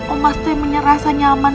omas teh menyerasa nyaman